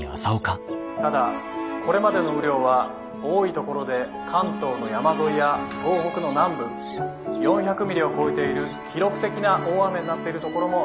ただこれまでの雨量は多い所で関東の山沿いや東北の南部４００ミリを超えている記録的な大雨になっている所もあります。